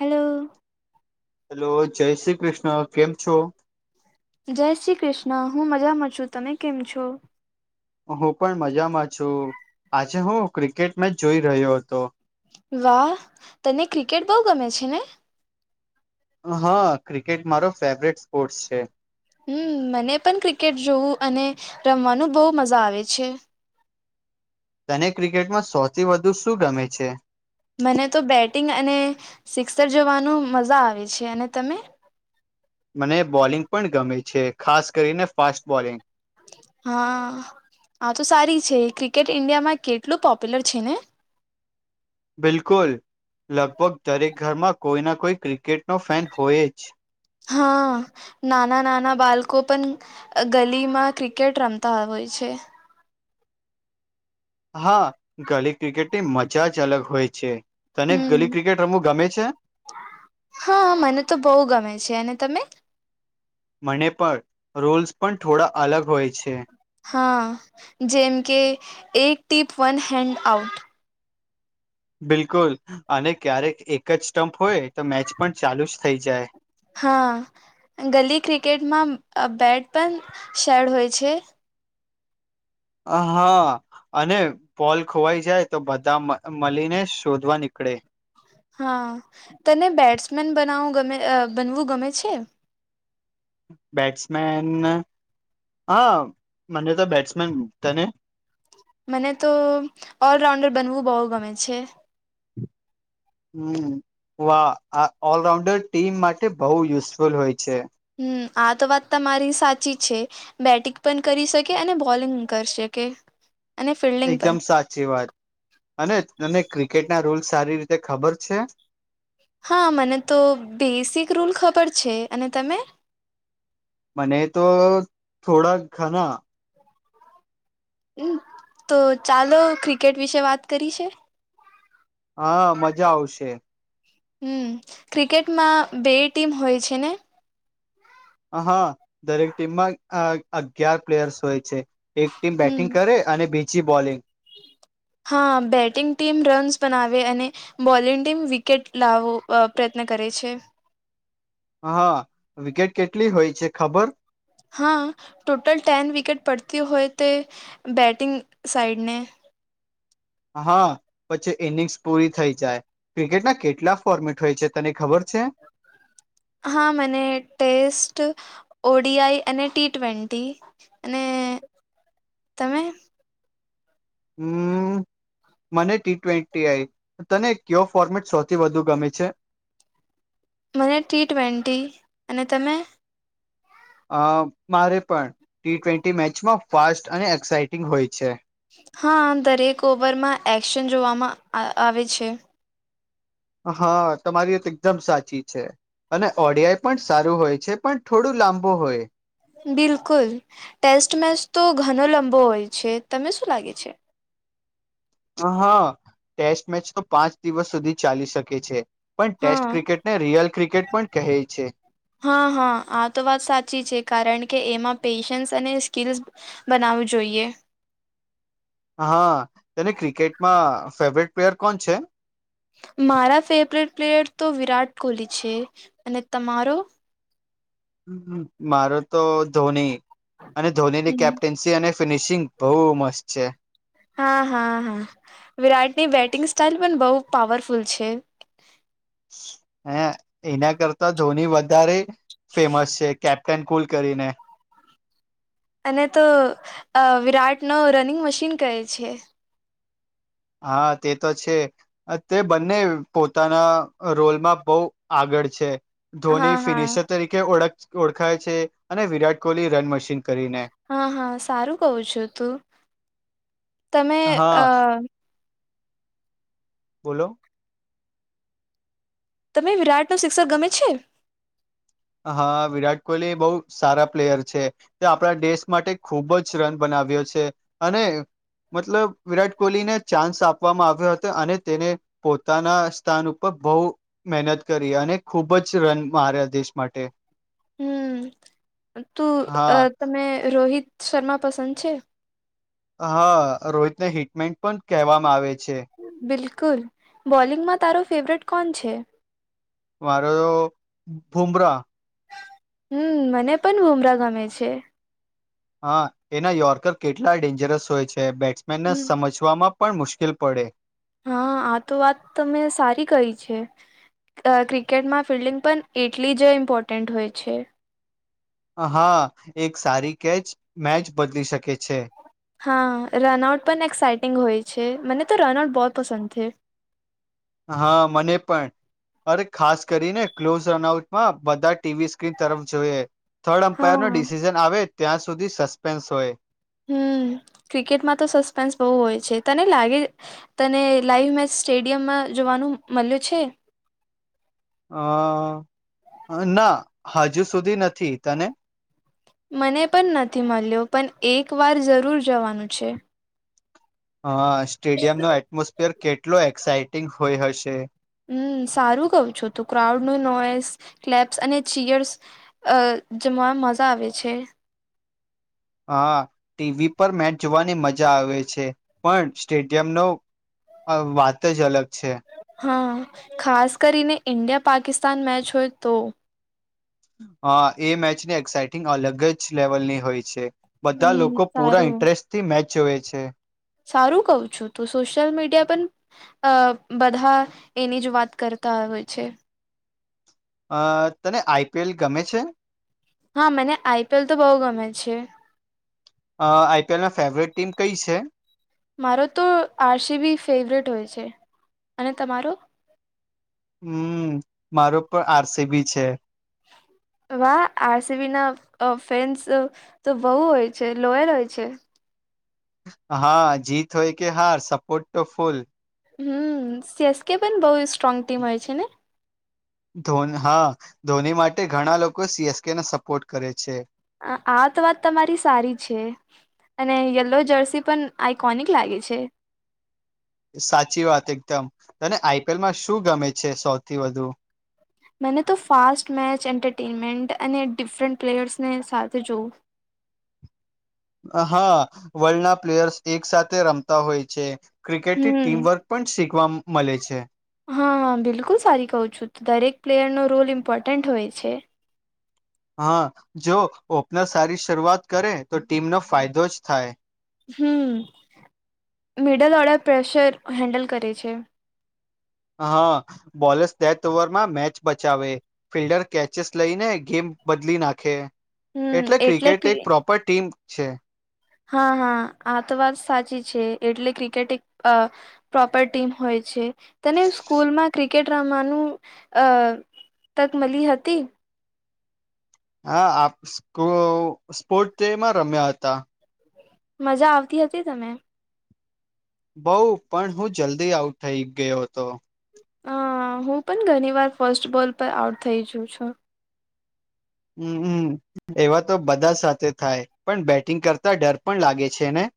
Hello hello જય શ્રી ક્રિષ્ણ કેમ છો? જય શ્રી ક્રિષ્ણ, હું મજામાં છું, તમે કેમ છો? હું પણ મજામાં છું, આજે હું ક્રિકેટ મેચ જોઈ રહ્યો હતો. વાહ! તને ક્રિકેટ બઉ ગમે છે ને? હા, ક્રિકેટ મારો ફેવરેટ સ્પોર્ટ્સ છે. હમ્મ, મને પન ક્રિકેટ જોવું અને રમવાનું બઉ મઝા આવે છે. તને ક્રિકેટમાં સોથી વધુ શું ગમે છે? મને તો બેટિંગ અને સિક્સર જોવાનું મઝા આવે છે અને તમે? મને બોલિંગ પણ ગમે છે ખાસ કરીને ફાસ્ટ બોલિંગ. હા આ તો સારી છે, ક્રિકેટ ઈન્ડિયામાં કેટલું પોપ્યુલર છે ને બિલકુલ, લગભગ દરેક ઘરમાં કોઈ ના કોઈ ક્રિકેટનો ફેન હોય જ. હાં નાના નાના બાલકો પણ ગલીમાં ક્રિકેટ રમતા હોય છે. હા, ગલી ક્રિકેટની મજા જ અલગ હોય છે તને ગલી ક્રિકેટ રમવું ગમે છે? હાં મને તો બઉ ગમે છે અને તમે? મને પણ રોલ્સ પણ થોડા અલગ હોય છે. હા જેમ કે એક ટીપ વન હેન્ડ આઉટ. બિલકુલ અને ક્યારેક એક જ સ્ટમ્પ હોય તો મેચ પણ ચાલુ જ થઈ જાય. હાં ગલી ક્રિકેટમાં અ બેટ પન શેડ હોય છે અ હા અને બોલ ખોવાઈ જાય તો બધા મ મલીને શોધવા નીકળે હાં તને બેટ્સમેન બનાવવું ગમે અ બનવું ગમે છે? બેટ્સમેન હાં મને તો બેટ્સમેન તને? મને તો ઓલરાઉન્ડર બનવું બહુ ગમે છે. હમ્મ વાહ આ ઓલરાઉન્ડર ટીમ માટે બઉ યુઝફુલ હોય છે. હમ્મ આ તો વાત તમારી સાચી છે. બેટિંક પણ કરી શકે અને બોલિંગ કર શકે. અને ફિલ્ડિંગ પણ એકદમ સાચી વાત અને તને ક્રિકેટ ના રુલ સારી રીતે ખબર છે? હા મને તો બેસિક રૂલ ખબર છે અને તમે? મને તો થોડા ઘના હમ્મ તો ચાલો ક્રિકેટ વિશે વાત કરી છે. હાં મજા આવશે. હહ્મ ક્રિકેટમાં બે ટીમ હોય છે ને? હાં દરેક ટીમમાં અ અગિયાર પ્લેયર્સ હોય છે. એક ટીમ હમ બેટિંગ કરે અને બીજી બોલિંગ. હા બેટિંગ ટીમ રન્સ બનાવે અને બોલિંગ ટીમ વિકેટ લાવો અ પ્રયત્ન કરે છે હા વિકેટ કેટલી હોય છે ખબર? હાં ટોટલ ટેન વિકેટ પડતી હોય તે બેટિંગ સાઈડને હાં પછી ઈનિંગ્સ પૂરી થઈ જાય. ક્રિકેટના કેટલા ફોર્મેટ હોય છે તને ખબર છે? હા મને ટેસ્ટ ઓ ડી આઈ અને ટી ટ્વેન્ટી અને તમે? હમ્મ. મને ટી ટ્વેન્ટી આઈ તને કયો ફોર્મેટ સૌથી વધુ ગમે છે? મને ટી ટ્વેન્ટી અને તમે અ મારે પણ ટી ટ્વેન્ટી મેચમાં ફાસ્ટ અને એક્સાઈટિંગ હોય છે. હા દરેક ઓવરમાં એક્શન જોવામાં આવે છે. હા તમારી વાત તો એકદમ સાચી છે. અને ઓડિયાઈ પણ સારું હોય છે પણ થોડું લાંબુ હોય બિલકુલ ટેસ્ટ મેચ તો ઘણો લંબો હોય છે તને શું લાગે છે હા ટેસ્ટ મેચ તો પાંચ દિવસ સુધી ચાલી શકે છે. પણ ટેસ્ટ હા ક્રિકેટ ને રિયલ ક્રિકેટ પણ કહે છે. હા હા આ તો વાત સાચી છે કારણ કે એમાં પેશન્સ અને સ્કીલસ બનાવું જોઈએ હા તેને ક્રિકેટમાં ફેવરેટ પ્લેયર કોણ છે? મારા ફેવરેટ પ્લેયર તો વિરાટ કોહલી છે અને તમારો? મારો તો ધોની અને ધોનીની હમ કેપ્ટન [unintelligible] છિ અને ફિનિશિંગ બહુ મસ્ત છે. હા હા હા વિરાટની બેટિંગ સ્ટાઇલ પણ બહુ પાવરફુલ છે. હ એના કરતા ધોની વધારે ફેમસ છે કેપ ટેનકુલ કરીને અને તો વિરાટ નો રનિંગ મશીન કહે છે. હા તે તો છે. અત્યારે બંને પોતાના રોલમાં બહુ આગળ છે. હા ધોની હા ફિનિશર તરીકે ઓળ ઓળખાય છે અને વિરાટ કોહલી રન મશીન કરીને હા હા સારું કવ છું તું તમે અ હા બોલો તમેને વિરાટનો શિક્ષક ગમે છે. હાઅ વિરાટ કોહલી બહુ સારા પ્લેયર છે. તે આપણા દેશ માટે ખૂબ જ રન બનાવ્યો છે. અને મતલબ વિરાટ કોહલીને ચાન્સ આપવામાં આવ્યો હતો અને તેને પોતાના સ્થાન ઉપર બહું મહેનત કરી અને ખુબ જ રન મારા દેશ માટે હમ તું હા તમે રોહિત શર્મા પસંદ છે? હા રોહિતને હિટમેન પણ કહેવામાં આવે છે. બિલકુલ બોલિંગમાં તારો ફેવરેટ કોણ છે? મારો બૂમરાહ હમ્મ મને પણ બુમરાહ ગમે છે. હા એના યોર્કર કેટલા ડેન્જરસ હોય છે. બેટ્સમેનને સમજવામાં પણ મુશ્કેલ પડે હા આ તો વાત તમે સારી કહી છે. અ ક્રિકેટમાં ફિલ્ડિંગ પણ એટલી જ ઇમ્પોર્ટન્ટ હોય છે. હા એક સારી કેચ મેચ બદલી શકે છે. હા રનઆઉટ પણ એક્સાાઈઇટિંગ હોય છે મને તો રનઆઉટ બહું પસંદ છે. હા મને પણ અરે ખાસ કરીને ક્લોઝ રનઆઉટમાં બધા ટીવી સ્ક્રીન તરફ જોઈએ થર્ડ એમ્પાયરનો હા ડિસિઝન આવે ત્યાં સુધી સસ્પેન્સ હોય હમ ક્રિકેટમાં તો સસ્પેન્સ બહું હોય છે. તને લાગે તને લાઈવ મેચ સ્ટેડિયમમાં જોવાનું મળ્યું છે. અ ના હજુ સુધી નથી તને મને પણ નથી મળ્યો પણ એકવાર જરૂર જવાનું છે. હા સ્ટેડિયમ નો એટમોસફિયર કેટલો એક્સાાઈટિંગ હોય હશે હમ સારું કહો છો તો ક્રાઉડ ન નોઈસ ક્લેબ્સ અને ચેયર્સ અ જોવામાં મજા આવે છે. હા ટીવી પર મેચ જોવાની મજા આવે છે પણ સ્ટેડિયમનો વાત જ અલગ છે. હા ખાસ કરીને ઇન્ડિયા અને પાકિસ્તાન મેચ હોય તો હા એ મેચની એક્સાઇટિંગ અલગ જ લેવલની હોય છે. બધા હમ લોકો પુરા સારું ઇન્ટરેસ્ટ થી મેચ જોય છે. સારું કવ છું તું સોશિયલ મીડિયા પણ અ બંધા એની જ વાત કરતા હોય છે. હા તને આઈપીએલ ગમે છે. હા મને આઈપીએલ તો બહુ ગમે છે. અ આઈપીએલ ના ફેવરેટ ટીમ કઈ છે. મારો તો આરસીબી ફેવરેટ હોય છે અને તમારો હમ્મ મારો પણ આરસીબી છે. વાહ આરસીબીના ફેન્સ તો બહુ હોય છે લોયલ હોય છે. હા જીત હોય કે હાર સપોર્ટ તો ફૂલ હમ સીએસકે પણ બહુ સ્ટ્રોંગ ટીમ હોય છે. ને હા ધોની માટે ઘણા લોકો સીએસકેને સપોર્ટ કરે છે. આ તો વાત તમારી સારી છે. અને યલો જર્સી પણ આઈકોનિક લાગે છે. સાચી વાત એકદમ તને આઈપીએલ માં શું ગમે છે. સૌથી વધુ મને તો ફાસ્ટ મેચ એન્ટરટેનમેન્ટ અને ડિફરન્ટ પ્લેયર્સને સાથે જોવું હા વર્લ્ડના પ્લેયર્સ એક સાથે રમતા હોય છે ક્રિકેટ હમ ટીમવર્ક પણ શીખવા મળે છે. હા હા બિલકુલ સારી કહું છું દરેક પ્લેયરનોો રોલ ઇમ્પોર્ટન્ટ હોય છે. હા જો ઓપનર સારી શરૂઆત કરે તો ટીમનોો ફાયદો જ થાય હમ મિડલ ઓર્ડર પ્રેશર હેન્ડલ કરે છે. હા બોલસ બે ઓવરમાં મેચ બચાવે ફિલ્ડર કેચેસ લઈ ને ગેમ બદલી નાખે એટલે ક્રિકેટ એક પ્રોપર ટીમ છે. હા હા આ તો વાત સાચી છે એટલે ક્રિકેટ એક અ પ્રોપર ટીમ હોય છે. તને સ્કૂલમાં ક્રિકેટ રમવાનું અ તક મળી હતી હા આપ સ્પોર્ટ ડે માં રમ્યા હતા મજા આવતી હતી તને બઉ પણ હું જલ્દી આઉટ થઈ ગયો હતો હ હું પણ ઘણી વાર ફસ્ટ બોલ પર આઉટ થઇ જઉ છું હમ હમ એવા તો બધા સાથે થાય પણ બેટિંગ કરતા ડર પણ લાગે છે ને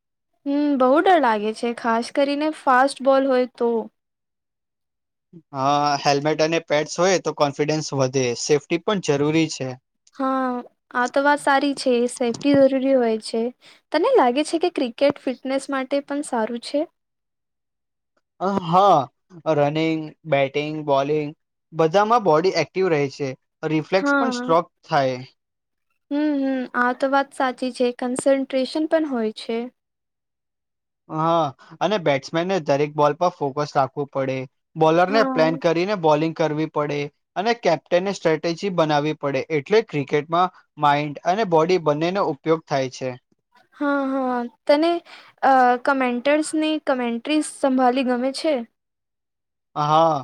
હમ બહુ ડર લાગે છે ખાસ કરીને ફાસ્ટ બોલ હોય તો હા હેલ્મેટ અને પેડ્સ હોય તો કોન્ફિડન્સ વધે સેફ્ટી પણ જરૂરી છે. હા આ તો વાત સારી છે સેફ્ટી જરૂરી હોય છે. તને લાગે છે કે ક્રિકેટ ફિટનેસ માટે પણ સારું છે. હા રનિંગ બેટિંગ બોલિંગ બધામાં બોડી એક્ટિવ રહે છે રિફ્લેક્સ પણ હા. સ્ટ્રોક થાય હમ હમ આ તો વાત સાચી છે કન્સન્ટ્રેશન પણ હોય છે. હા અને બેટ્સમેનને દરેક બોલ પર ફોકસ રાખવું પડે બોલર ને હા પ્લાન કરીને બોલિંગ કરવી પડે અને કેપ્ટનને સ્ટ્રેટેજી બનાવવી પડે એટલે ક્રિકેટમાં માઈન્ડ અને બોડી બંનેનો ઉપયોગ થાય છે. હા હા તને અ કમેન્ટર્સની કમેન્ટ્રીઝ સંભાળી ગમે છે. હા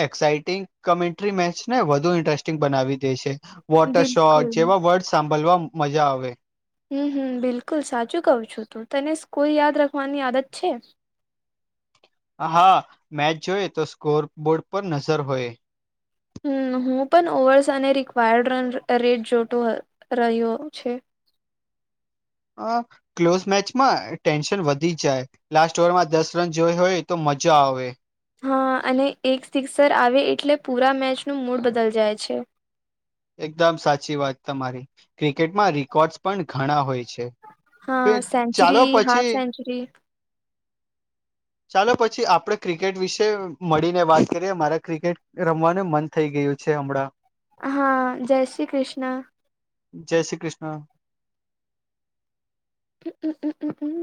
એક્સાાઈટિંગ કમેન્ટ્રી મેચ ને વધુ ઇન્ટરેસ્ટિંગ બનાવી દે છે. વોટર શોટ બિલકુલ જેવા વર્ડ સાંભળવા મજા આવે હમ હમ બિલકુલ સાચું કવ છું તું તને સ્કૂલ યાદ રાખવાની આદત છે. હા મેચ જોય તો સ્કોર બોર્ડ પર નજર હોય હમ હું પણ ઓવર્સ અને રિક્વાયર્ડ રન રેટ જોતો રહ્યો છે. હ ક્લોઝ મેચમાં ટેન્શન વધી જાય લાસ્ટ ઓવર માં દસ રન જોઈ હોય તો મજા આવે હા અને એક સિક્સર આવે એટલે પૂરા મેચ નું મૂડ બદલ જાય છે. એકદમ સાચી વાત તમારી ક્રિકેટમાં રેકોર્ડસ પણ ઘણા હોય છે. તો હા ચાલો સેન્ચુરી પછી હાફ સેન્ચુરી ચાલો પછી આપડે ક્રિકેટ વિશે મળીને વાત કરીએ મારા ક્રિકેટ રમવાનું મન થઈ ગયું છે હમણાં હા જય શ્રી કૃષ્ણ જય શ્રી કૃષ્ણ હમ